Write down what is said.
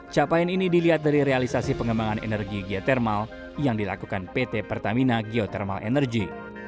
capaian ini dilihat dari realisasi pengembangan energi geotermal yang dilakukan pt pertamina geothermal energy